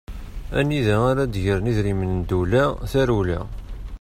Anida ara d-gren idrimen n ddewla, tarewla!